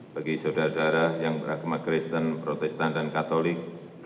bagi saudara saudara yang beragama kristen protestan dan katolik